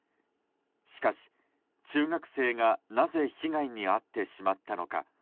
しかし、中学生がなぜ被害に遭ってしまったのか。